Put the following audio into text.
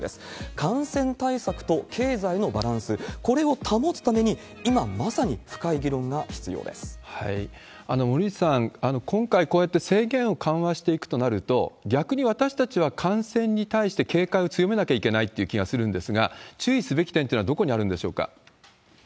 感染対策と経済のバランス、これを保つために、森内さん、今回、こうやって制限を緩和していくとなると、逆に私たちは感染に対して警戒を強めなきゃいけないって気がするんですが、注意すべき点というのはどこにあるんでしょうか？